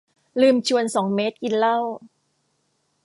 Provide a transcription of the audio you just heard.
ลืมชวนสองเมตรกินเหล้า